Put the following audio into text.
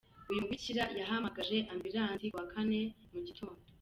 Uyu mubikira yahamagaje ambilansi ku wa Kane mu gitondo.